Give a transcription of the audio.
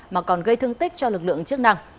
mà còn gây thương tích cho lực lượng chức năng